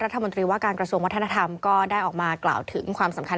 รัฐมนตรีว่าการกระทรวงวัฒนธรรมก็ได้ออกมากล่าวถึงความสำคัญ